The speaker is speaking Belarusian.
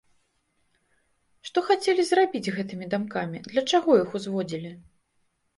Што хацелі зрабіць гэтымі дамкамі, для чаго іх узводзілі?